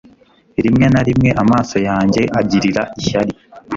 Rimwe na rimwe amaso yanjye agirira ishyari